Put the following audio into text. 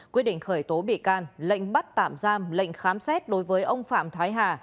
quyết định khởi tố bị can lệnh bắt tạm giam lệnh khám xét đối với ông phạm thái hà